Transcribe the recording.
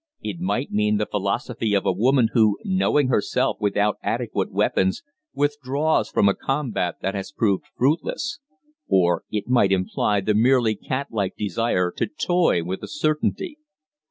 It might mean the philosophy of a woman who, knowing herself without adequate weapons, withdraws from a combat that has proved fruitless; or it might imply the merely catlike desire to toy with a certainty.